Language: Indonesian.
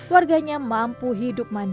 warganya mampu hidup mandi